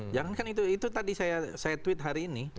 jangan kan itu tadi saya tweet hari ini